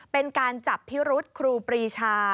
เป็นการจับพิรุษครูปรีชา